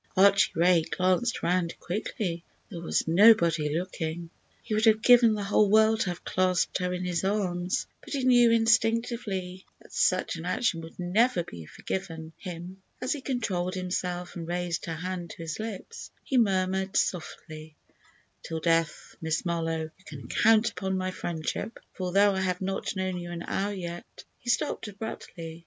Archie Ray glanced around quickly. There was nobody looking. He would have given the whole world to have clasped her in his arms, but he knew instinctively that such an action would never be forgiven him. As he controlled himself and raised her hand to his lips, he murmured softly: "Till death, Miss Marlowe, you can count upon my friendship, for although I have not known you an hour yet——" He stopped abruptly.